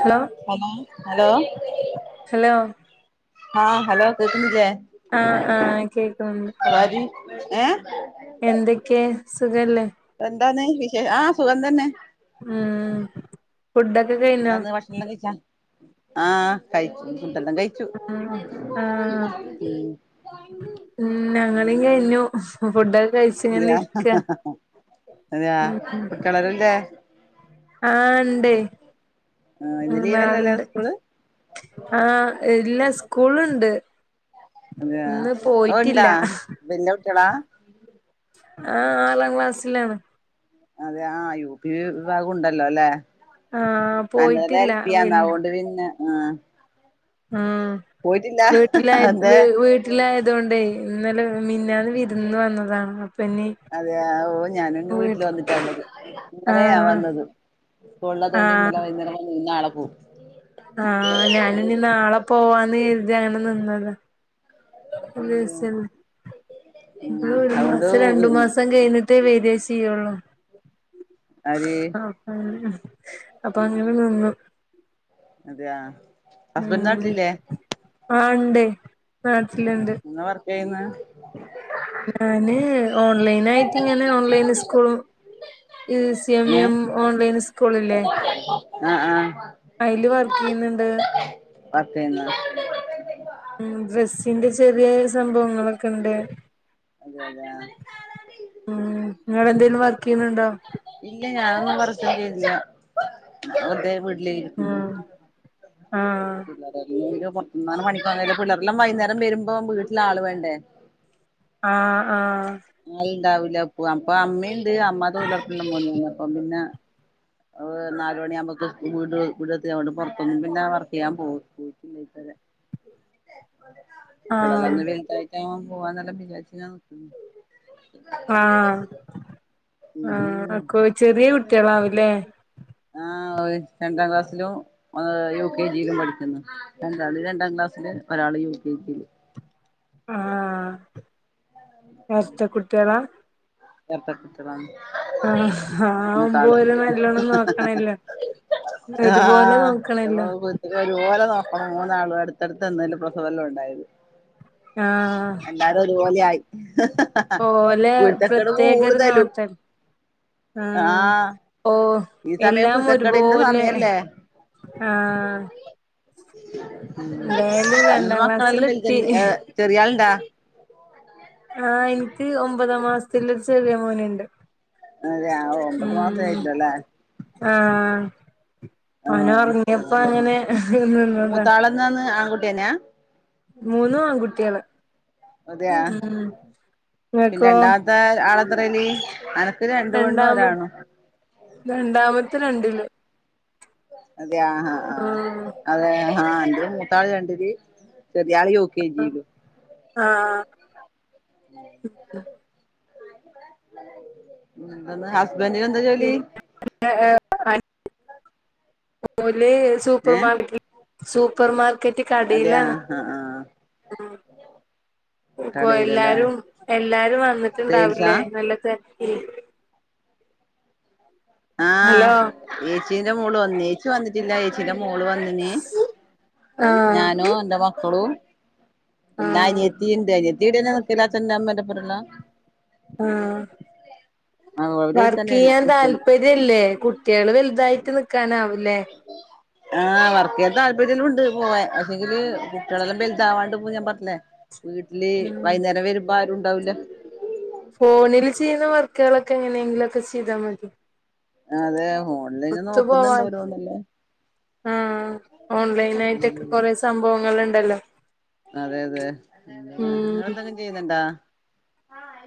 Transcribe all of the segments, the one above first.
Hello hello hello hello ആഹ് hello കേക്കുന്നില്ലേ ആഹ് ആഹ് കേക്കും സവാരി ഏഹ് എന്തൊക്കെയേ സുഖല്ലേ എന്തന്ന് വിശേഷം ആഹ് സുഖം തന്നെ മ് എന്താന്ന് ഭക്ഷണം എല്ലാം കഴിച്ച ആഹ് കഴിച്ചു എല്ലാം കഴിച്ചു ഉം മ് ഞങൾ ഇങ്ങനെഞു ഫുഡ്‌ - അതെയ അതെയ ഉം മക്കളെന്തെ ആഹ് ഉണ്ടേ ആഹ് ഇന്ന് ലീവല്ലല്ലേ മൂന്നാളുണ്ട് സ്കൂള് ആഹ് ഇല്ല സ്കൂളുണ്ട് അതെയാ ഇന്ന് പോയിട്ടില്ല ഉണ്ടാ വല്യ കുട്ടികളാ ആഹ് ആറാം ക്ലാസ്സിലാണ് അതെയാ ആഹ് യു പി വിഭാഗം ഉണ്ടല്ലോ അല്ലേ ആഹ് അന്റെ എല്ലാം പോയിട്ടില്ല എൽ പിയാന്ന് വൽ അതോണ്ട് പിന്നെ ആഹ് ആഹ് പോയിട്ടില്ല വീട്ടിലായ വീ അതെ വീട്ടിലായ അതുകൊണ്ടേ ഇന്നലെ മിന്നാന്ന് വിരുന്ന് വന്നതാണ് ഇനി അതെയാ ഓ ഞാനും ഇങ്ങ് വീട്ടില് വീട്ടി വന്നിട്ടാവുള്ളത് ഇന്നലെയാ ആഹ് വന്നത് ഇക്ക ഒള്ളത് കൊണ്ട് ഇന്നലെ ആഹ് വൈകുന്നേരം വന്ന് നാളെ പോവും ആഹ് ഞാൻ ഇനി നാളെ പോവാന്ന് കരുതി അങ്ങനെ നിന്നതാ [unintelligible] നമ്മള് ഉം ഒരു അതുകൊണ്ട് മാസം രണ്ടു മാസം കഴിഞ്ഞിട്ടേ വിദേശ ചേയ്യൊള്ളു ആര് ആഹ് അപ്പൊ അങ്ങനെ നിന്നു അതെയാ ഹസ്ബൻഡ് മ് നാട്ടിലില്ലേ ആഹ് ഉണ്ട് നാട്ടിലുണ്ട് ഏന്ന് ഞാന് ഓൺലൈനയിട്ട് ഇങ്ങനെ ഓൺലൈന് സ്കൂ ഇ സി എം ഏ എം ഓൺലൈൻ സ്കൂളില്ലേ ആ ആ അതില് വർക്ക് ചെയ്യുന്നുണ്ട് വർക്കെയ്യുന്ന മ് ഡ്രസ്സിന്റെ ചെറിയ സംഭവങ്ങളൊക്കെ ഉണ്ട് അതെ അതെ ആ മ് നിങ്ങള് എന്തേലും വർക്ക് ചെയ്യുന്നുണ്ടോ ഞാൻ വർക്ക്‌ ചെയ്യുന്നില്ല വെറുതെ വീട്ടിൽ വീട്ടിലെ ഇരിക്കുന്നു ഉം ആഹ് പിള്ളേർടെ കാര്യം മൊത്തം ആള് പണിക്ക്‌ പോയാല് പിള്ളേർല്ലാം വൈകുന്നേരം വരുമ്പോ വീട്ടില് ആള് വേണ്ടേ ആഹ് ആഹ് ഞാൻ ഇണ്ടാവൂില്ല പൂവാൻ അപ്പൊ അമ്മയുണ്ട് അമ്മ തൊഴിലുറപ്പിനു എല്ലാം പോന്നുണ്ട് അപ്പ പിന്നെ നാല് മണിയാവുമ്പോക്ക് വീട് വീടെത്തിയോണ്ട് പുറത്തോന്നും പിന്നെ വർക്ക് ചെയ്യാൻ പോുയിട്ടില്ല ഇതുവരെ കുട്ടിയോളെല്ലാം ആഹ് ഒന്ന് വലുതായിട്ട് ആവാം പോവാന്ന് എല്ലാം വിചാരിച്ച് ഞാൻ നിക്കുന്നുണ്ട് ആഹ് ഉം ആഹ് ഉം അക്കോ ചെറ്യേ കുട്ടികളാവു ലേ ആഹ് രണ്ടാം ക്ലാസ്സിലും ഇഹ് യു കെ ജിയിലും പഠിക്കുന്ന് രണ്ടാള് രണ്ടാം ക്ലാസ്സില് ഒരാള് യു കെ ജി യില് ആഹ് എരട്ട കുട്ടികളാ എരട്ട കുട്ടികളാണ്. ആഹ് മൂത്താള് ആവുമ്പോല് നല്ലോണം നോക്കണല്ലോ. ഒരുപോലെ ആഹ് നോക്കണല്ലോ [unintelligible] ഒരുപോലെ നോ ക്കണം മൂന്നാളും അടുത്തടുത്ത് ത ന്നേല്ലോ പ്രസവൊല്ലാം ഉണ്ടായത്. ആഹ് എല്ലാരും ഒരുപോലെയായി. ഓലെ പ്രത്യേക ഒരു കൂടുതലും നോട്ടൽ ആഹ് ഓ ഈ സമയം എല്ലാം കുരുത്തക്കേടിന്റെ ഒരുപോലെ സമയല്ലേ ആഹ് എന്തായാലും [inaudible] രണ്ടാം മക്കളെല്ലാം വലുതൻ ക്ലാസ്സിലെത്തി ചെറിയാള്ണ്ടാ ആഹ് ഇൻക്ക് ഒമ്പതാം മാസത്തിലൊരു ചെറിയ മോന്ണ്ട്. അതെയാ ഒമ്പത് മാസേ ആയിട്ട്ള്ളൂ അല്ലേ ആഹ് അത് ഓനൊറങ്ങിയപ്പോ നല്ലതന്നെ അങ്ങനെ നിന്നതാ. എനാ മൂന്നും ആൺകുട്ട്യേള് അതെയാ ഉം. പിന്നെ നിങ്ങക്കോ രണ്ടാമത്തെ ആളത്രേനി അനക്ക് രണ്ട് പെണ്ണും രണ്ടാമ ഒരാണും രണ്ടാമത്തെ രണ്ടില് അതെ ആഹ് ആഹ് ആഹ് അതെ ആഹ് മുത്താള് രണ്ടില് ചെറിയ ആള് യു കെ ജി ലും ആഹ് [unintelligible] ജോലി പിന്ന [unintelligible] പോല സൂപ്പർ ഏഹ് മാർക്കറ്റ് സൂപ്പർ മാ ർക്കറ്റ് അതെയാ കടയിലാണ് ആഹ് ആഹ് ഇപ്പോ കടയിലല്ലേ എല്ലാരും എല്ലാരും സെയിൽസാ വന്നിട്ടുണ്ടാവില്ലേ നല്ലത് ഉം ആഹ് ചേച്ചിന്റെ മോള് വന്ന ചേച്ചി വന്നിട്ടില്ല ചേച്ചീന്റെ മോള് വന്നനി ആഹ് ഞാനോ എന്റെ മക്കളും പിന്നാ ആഹ് അനിയത്തിണ്ട് അനിയത്തി എത്തിടെ നിക്ക്ല്ലാത്തന്ന അച്ചെന്റേം അമ്മേയുടെപ്പല്ലോ ആഹ് അവര് ഇവിടെ വർക്ക് തന്നെ ചെയ്യാൻ നിക്കല് താല്പര്യല്ലേ കുട്ടികള് വലുതായിട്ട് നിക്കാനാവില്ലേ ആഹ് വർക്ക് ചെയ്യാൻ താല്പര്യംല്ലാം ഉണ്ട് പോവാൻ എങ്കിൽ കുട്ടികളെല്ലാം വലുത ആവാണ്ട് പോക ഞാൻ പറഞ്ഞില്ലേ വീട്ടില് ഉം വൈകുന്നേരം വരുമ്പോ ആരുണ്ടാവൂല ഫോണിൽ ചെയ്യുന്ന വർക്കുകളൊക്കെ എങ്ങനെയെങ്കിലുംക്കെ ചെയ്താ മതി അതെ ഫോണിൽ ഒത്തു പോവാൻ നോക്കുന്നുണ്ടോരോന്നല്ലേ ആഹ് ഓൺലൈന ആയിട്ടൊക്കെ ഉം കൊറേ സംഭവങ്ങൾണ്ടല്ലോ അതെ അതെ നിങ്ങെന്തെങ്കും ചെയ്യുന്നുണ്ടാ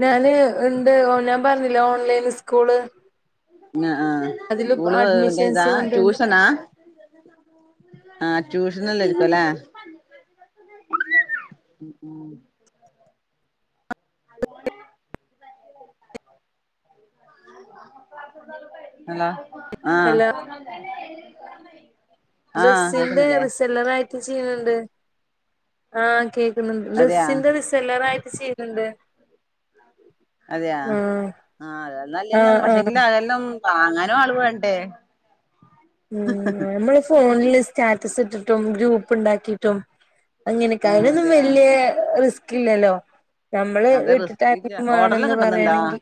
ഞാന് ഇണ്ട് ഞാൻ പറഞ്ഞില്ല ഓൺലൈന് സ്കൂള് ആഹ് ആഹ് അതില് സ്കൂള്ന്റെ ഇതാ അഡ്മിഷൻസ് കൊണ്ട് ട്യൂഷനാ ആഹ് ട്യൂഷനല്ലരിക്കുലേ ഹലോ ആഹ് അല്ല ആഹ് ഡ്രെസ്സിന്റെ കേക്കുന്നില്ലേ റിസെല്ലറയിട്ട് ചെയ്യണ് ണ്ട് ആഹ് കേ ക്ക്ന്ന് അതെയാ ഡ്രെസ്സിന്റെ റിസല്ലറായിട്ട് ചെയ്യണ് ണ്ട് അതെയാ ആഹ് ആഹ് [unintelligible] ആഹ് പക്ഷേങ്കില് അതെല്ലാം വാങ്ങാനും ആള് വേണ്ടേ ഉ നമ്മള് ഫോണില് സ്റ്റാറ്റസ് ഇട്ടിട്ടും ഗ്രൂപ്പ് ഉണ്ടാക്കിട്ടും അങ്ങനൊക്ക ആഹ് അയലൊന്നും അതെയാ വലിയ റിസ്ക് ഇല്ലല്ലോ നമ്മള് അതെ റിസ്കില്ല വീട്ടിട്ടും ഓർഡർല്ലാം വേണെന്ന് കിട്ടുന്നുണ്ടാ പറയണെങ്കിൽ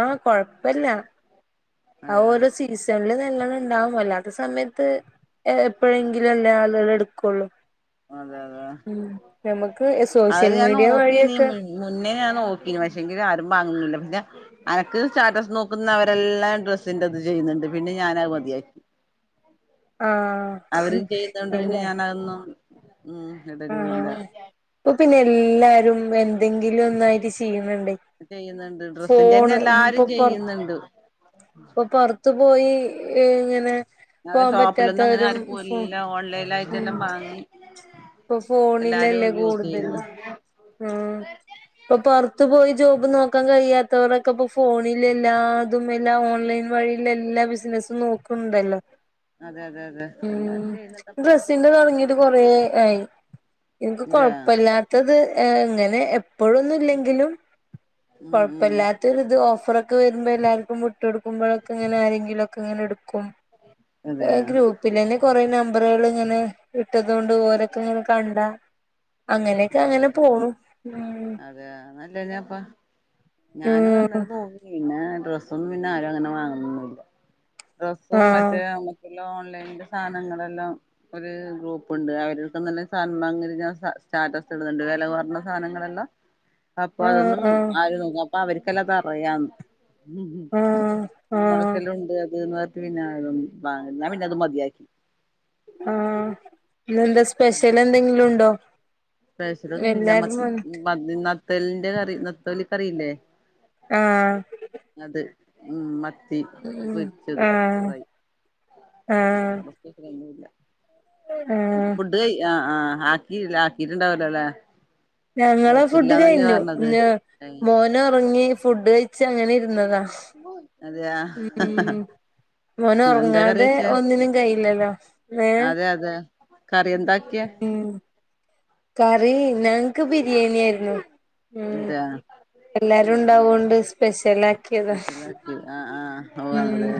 ആഹ കൊഴപ്പില്ല ആ അതെ ഓരോ സീസണില് നല്ലണം ഉണ്ടാവല്ലാത്ത സമയത്ത് എപ്പോഴെങ്കിലും അല്ലേ ആളുകൾ എടുക്കുള്ളൂ അതെ അതെ ഉം നമുക്ക് സോഷ്യൽ അവര് ഞാൻ മീഡിയ നോക്കി നീ വഴിയൊക്കെ മുന്നേ ഞ നോക്കിന് പക്ഷെ ആരും വാങ്ങുന്നില്ല പിന്നെ എനക്ക് സ്റ്റാറ്റസ് നോക്കുന്നവരെല്ലാം ഡ്രസ്സിന്റെ ഇത് ചെയ്യുന്നുണ്ട് പിന്നെ ഞാൻ മതിയാക്കി [unintelligible] ആഹ് അവെരും ചെയ്യുന്നൊണ്ട് പിന്നെ അല്ലേ ഞാനതൊന്നും. ഉം ഇടലുല്ല ആഹ് ഇപ്പൊ പിന്നെ എല്ലാരും എന്തെങ്കിലും ഒന്നായിട്ട് ചെയ്യുന്നുണ്ട്. ചെയ്യുന്നൊണ്ട്. ഡ്രസ്സിന്റെ തന്നെ എല്ലാരും ചെയ്യുന്നൊണ്ട്. അപ്പൊ പൊറത്തു പോയി എ ഇങ്ങനെ. അതെ പോവാൻ ഷോപ്പിലൊന്നും പറ്റാത്തവരും അങ്ങനെയാരു ഫോ പോല്ല. ഓൺലൈനായിട്ടെല്ലാം വാങ്ങി. ഇപ്പ ഫോണിലല്ലേ എല്ലാരും യൂസ് കൂടുതല്. ചെയ്യുന്നു ഉം ഇപ്പ പൊറത്തു പോയി ജോബ് നോക്കാൻ കഴിയാത്തവരൊക്കെ ഇപ്പോ ഫോണിൽ എല്ലാതും എല്ലാ ഓൺലൈൻ വഴിയിലെല്ലാ ബിസന സ്സും നോക്കുണ്ടല്ലോ. അതെ അതെ അതെ എല്ലാം ചെയ്യുന്നെണ്ടപ്പോ. ഏയ് എനക്ക് കൊഴപ്പല്ലാത്തത് ഏ ഇങ്ങെനെ എപ്പോഴൊന്നില്ലെങ്കിലും ഉം ഉം കൊഴപ്പമില്ലാത്തോരിത് ഓഫറ ഓഫർൊക്കെ ക്കെ വരുമ്പോ എല്ലാവർക്കു വിട്ടുക്കൊടുക്കുമ്പോക്കെ ഇങ്ങെനെയാരെങ്കിലുമൊക്കെങ്ങിനെ എടു ക്കും. അതെ ഗ്രൂപ്പിലന്നെ കൊറെ നമ്പറുകളിങ്ങനെ ഇട്ടത് കൊണ്ട ങ്ങനെ കണ്ടയങ്ങനെക്കെ അങ്ങനെ പോണു. ഉം അതെയാ നല്ലനപ്പാ ഞാന് ഉം അന്നേരം നോക്കി ന്നെ ഡ്രസ്സ് പിന്നെന്നെ ആരും അങ്ങനെ വാങ്ങെണൊന്നുമില്ല. ആഹ് ഓൺലൈന്റെ സാധനങ്ങളെല്ലായൊരു ഗ്രൂപ്പൊണ്ട്. അയരൊപ്പത്തന്നെ സാൻമാഗ്രിഞ്ഞാ. സ്റ്റാറ്റസ് ഇടുന്നൊണ്ട്. വെല കൊറഞ്ഞ സാധനങ്ങളെല്ലാം അപ്പൊ ആഹ് അതൊന്നും ആഹ് ആര് നോക്കും. അപ്പൊ അവർക്കെല്ലാതറിയാന്ന്. ഉം ഉം ആഹ് ആഹ് നമ്മളക്കെല്ലാണ്ട് അത് നേർ പിന്നെതും പിന്നെ അത് മതിയാക്കി. ആഹ് ഇന്നെന്താ സ്പെഷ്യൽ എന്തെങ്കിലും ഉണ്ടോ? സ്പെഷ്യലൊന്നുല്ല എല്ലാരും നമ്മെക്ക്‌. വന്ന് മ നെത്തോലിന്റെ കറി, നെത്തോലിക്കറിയില്ലേ. ആഹ് ഉം മ ത്തി ഉം പൊരിച്ചത് ആഹ് ഫ്രൈ ആഹ് നാളേത്തേക്കിനൊന്നുല്ല. ആഹ് ഫുഡ് ഏ ആഹ് ആഹ് ആക്കില്ല. ആക്കിട്ടുണ്ടാവില്ലാല്ലേ. ഞങ്ങളേ ഫുഡ് കഴിഞ്ഞു. ന്നെ മോന് ഉറങ്ങി. ഫുഡ് കഴിച്ചങ്ങെനെയിരുന്നതാ. അതെയാ മോനൊറങ്ങാതെ ഒന്നിനും കഴില്ലല്ലോ. വെ കറിയൊണ്ടാക്കിയ? കറി ഞങ്ങ്ക്ക് ബിരിയാണിയായിരുന്നു. ഇതെ എല്ലാരും ഉണ്ടാവോണ്ട് സ്പെഷ്യലാക്കിയത് സ്പെഷ്യലാക്കി ആഹ് ആഹ് ഓഹ് ഉം. അതെ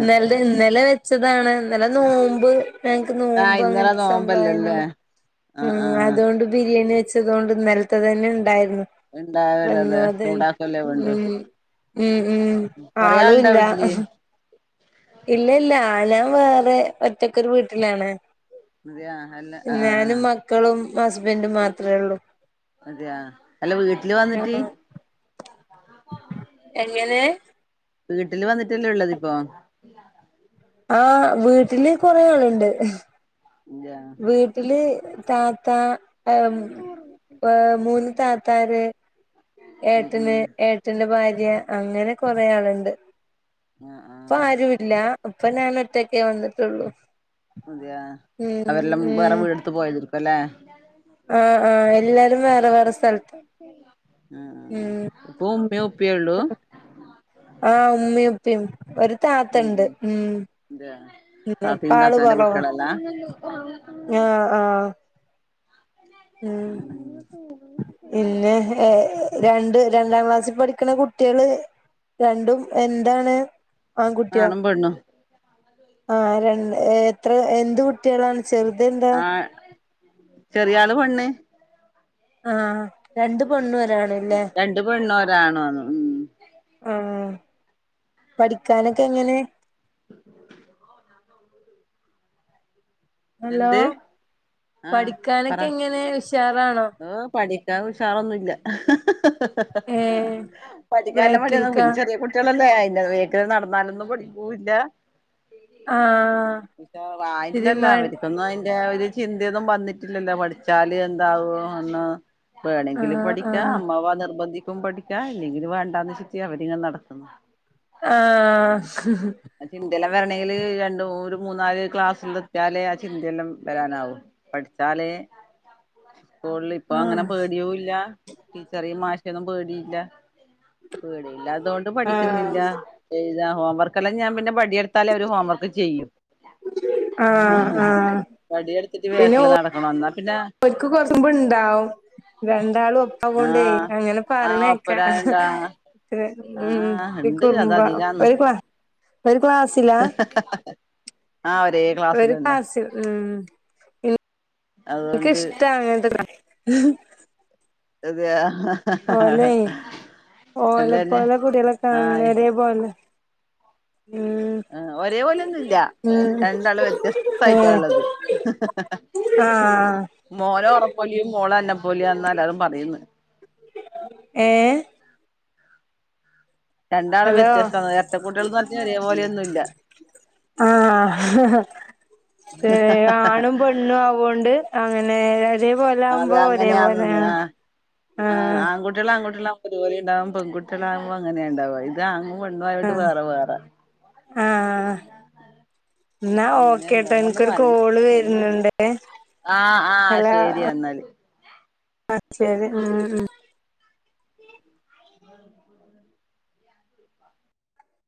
ഇന്നല് ഇന്നലെ വെച്ചതാണ് ഇന്നലെ നോമ്പ്. ഞങ്ങക്ക് ആഹ് നോമ്പ് ഇന്നലെ അങ്ങനത്തെ നോമ്പല്ലല്ലേ സംഭായങ്ങള്. ആഹ് ഉം ആഹ് അതുകൊണ്ട് ബിരിയാണി വെച്ചത്തൊണ്ട് ഇന്നെലത്തെത്തന്നെ ഉണ്ടായിരുന്നു. ഇണ്ടാവല്ലോ വന്നു അതെ ചൂടാക്കല്ലേ വേണ്ടു നിൾ ഉം ഉം കൊറേ ആളുണ്ടോ ആളുല്ല. വീട്ടില് ഇല്ല ഇല്ല ആല വേ റെ ഒറ്റക്കൊരു വീട്ടിലാണ്. അതെ ആ ഹല്ല ആഹ് ക്കളും ഹസ്ബൻഡും മാത്രോള്ളൂ. അതെയാ അല്ല വീട്ടില് വന്നിട്ട് എങ്ങനെ വീട്ടില് വന്നിട്ടല്ലേ ഒള്ളതിപ്പോ? ആഹ് വീട്ടില് കൊറെ ആളുണ്ട്. അതെയാ വീട്ടില് താത്ത ആം ഏഹ് മൂന്ന് താത്താര് ഉം ഏട്ടന് ഉം ഏട്ടന്റെ ഭാര്യ അങ്ങനെ കൊറെ ആള്ണ്ട് ആഹ് ഇപ്പ ആഹ് ആരുല്ലാ ഇപ്പം ഞാൻ ഒറ്റക്കേ വന്നിട്ടോള്ളൂ അതെയാ അവരെല്ലാം ഉം വേറെ വീടെടുത്ത് പോയതാരിക്കും അല്ലേ ആഹ് ആഹ് എല്ലാരും വേറെ വേറെ സ്ഥലത്ത് ആഹ് ആഹ് ഉം ഇപ്പൊ ഉമ്മയും ഉപ്പയേ ഉള്ളൂ ആഹ് ഉമ്മീം ഉപ്പേം ഒരു താത്തണ്ട് ഉം അതെയാ ഉം ഇപ്പം താത്തയും ആള് താത്താന്റെ കൊറവാ കുട്ടികളല്ല ആഹ് ആഹ് ഉം ഇല്ലാഹ് രണ്ട് രണ്ടാം ക്ലാസി പഠിക്കണ കുട്ടികള് രണ്ടും എന്താണ് ആങ്കുട്ടിയോ ആണും പെണ്ണും ആഹ് രണ്ട് എത്ര എന്ത് കുട്ടികളാണ് ചെറുത് എന്താ ആഹ് ചെറിയാള് പെണ്ണ് ആഹ് രണ്ട് പെണ്ണും ഒര് ആണുല്ലേ രണ്ട് പെണ്ണും ഒരാണുവാന്ന് ഉം ആഹ് പഠിക്കാനൊക്കെ എങ്ങനെ ഹലോ എന്ത് ആഹ് പറ പഠിക്കാനൊക്കെ എങ്ങനെ ഉഷാറാണോ ഓ പഠി ക്കാൻ ഉഷാറൊന്നു ഇല്ല ഏ പഠിക്കാൻ ഉള്ള മടിയ ബേക്കിൽക്കാ പിന്നെ ചെറിയ കുട്ടികളല്ലേ ബാക്കില് നടന്നാലൊന്നും പഠിക്കുല്ല ആ ഇ വായിച്ച്ണ് അല്ല തിരുമാ അവര് അതിന്റെ ഒരു ചിന്തയൊന്നും വന്നിട്ടില്ലല്ലോ പഠിച്ചാല് എന്താവും എന്ന് ആ വേണമെങ്കിലും ആ പഠിക്കാ അമ്മാവ നിർബന്ധി പഠിക്കാ ഇല്ലെങ്കിൽ വേണ്ടാന്ന് വെച്ച് അവരിങ്ങനെ നടക്കും ആഹ് ചിന്തെലാം വരണമെങ്കില് രണ്ടു ഒരു മൂന്നാല് ക്ലാസ് എത്തിലേ ആ ചിന്തെല്ലാം വരാനാവും പഠിച്ചാ ലേ സ്കൂളിൽ ഇപ്പ ആ അങ്ങനെ പേടിയും ഇല്ല ടീച്ചറയും മാഷയൊന്നും പേടിയില്ല പേടയില്ലാതൊണ്ട് പഠിക്കുന്നില്ല ഹോംവർക്ക്ല്ലാം ഞാൻ പിന്നെ പ എഴുതി എടുത്താല് അവര് ഹോം വർക്ക് ചെയും ആ ആ ആ വടി എടുത്തിട്ട് ബേക്കില് നടക്കണം എന്ന ഒൽക്ക് കൊറച്ച് കുറുമ്പ് ഇണ്ടാവും രണ്ടാളും ഒപ്പാ കെണ്ടേ ആഹ് അങ്ങനെ ആഹ് പറഞ്ഞക്കാ ഒപ്പരായണ്ടാ ഉം ആഹ് ഈ ഇണ്ട് അത് കുറുമ്പ അധികാന്ന് ഒരു [unintelligible] ഒരു ക്ലാസിലാ ആഹ് ഒരേ ഒരു ക്ലാസ്സിലന്നെ ക്ലാസ്സ്‌ ഉം ഇൻ ൻക്ക് അതുകൊണ്ട് ഇഷ്ടാണ് അങ്ങന [unintelligible] അതയോ. എന്താ ഓലെ പിന്നെ പോലെ കുട്ടികളെ കാണണ ആയി. ഒരേ പോലെ ഉം ആ ഒരേ പോലെയോന്നും ഇല്ല. ഉം രണ്ടാളു വ്യത്യസ്തായിട്ടാ ഏഹ് ഇള്ളത്. ആഹ് മോനോറപ്പോലെയും മോള് എന്നപ്പോലയാന്ന് എല്ലാരും പറയുന്ന്. ഏഹ് രണ്ടാളും ഹലോ വ്യത്യസ്ത ഇരട്ട കുട്ട്യൾ എന്ന് പറഞ്ഞാൽ ഒരേ പോലെയൊന്നും ഇല്ല. ആഹ് ആണും പെണ്ണും ആവോണ്ട് അ അങ്ങനെ ഒരേപോലെ അത് ആവുമ്പോ അങ്ങനെയാന്ന് ഒരേപോലെ ആഹ് ആഹ് ആൺകുട്ടികൾ ആൺകുട്ടികൾ അതുപോലെ ഉണ്ടാവും പെൺകുട്ടികളാവുമ്പോ അങ്ങനെ ഉണ്ടാവാ ഇതാണ്ണും പെണ്ണും ആയോണ്ട് ആഹ് വേറെ വേറെ. ആഹ് [unintelligible] എന്നാ അങ്ങനെയാ ഓക്കേ ട്ടോ ഇണ്ടാവാന്ന് എനിക്കൊരു പറയണ് കോള് അങ്ങനെയാ വരുന്നുണ്ടെ. ആഹ് ആഹ് ശരി എന്നാല്. ആഹ് ശെരി ഉം.